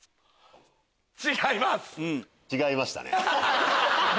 違います。